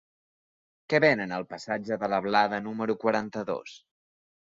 Què venen al passatge de la Blada número quaranta-dos?